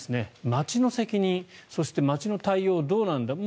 町の責任、そして町の対応はどうなんだと。